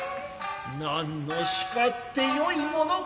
なんの叱ってよいものか。